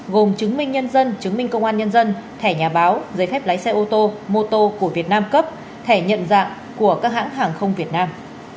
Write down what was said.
gồm chứng minh nhân dân chứng minh công an nhân dân thẻ nhà báo giấy phép lái xe ô tô mô tô của việt nam cấp thẻ nhận dạng của các hãng hàng không việt nam